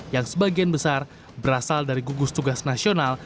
yang sebagian besar berasal dari gugus tugas nasional